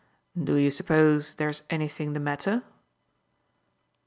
"Do you suppose there's anything the matter?